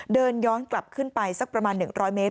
เดินย้อนกลับขึ้นไปสักประมาณ๑๐๐เมตร